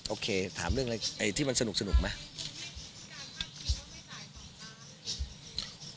โอเคถามเรื่องอะไรไอ้ที่มันสนุกไหม